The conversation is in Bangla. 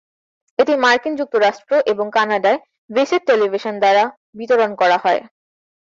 এটি মার্কিন যুক্তরাষ্ট্র এবং কানাডায় বিশেথ টেলিভিশন দ্বারা বিতরণ করা হয়।